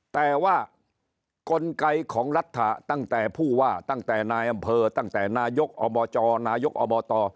แต่ว่ากลไกของรัฐตั้งแต่ผู้ว่าตั้งแต่นายอำเภอตั้งแต่นายกอบจนายกอบต